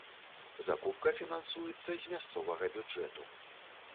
Закупка фінансуецца з мясцовага бюджэту.